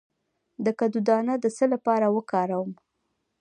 د کدو دانه د څه لپاره وکاروم؟